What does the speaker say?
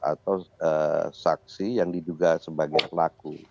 atau saksi yang diduga sebagainya